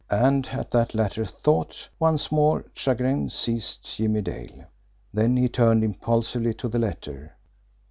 And at that latter thought, once more chagrin seized Jimmie Dale then he turned impulsively to the letter.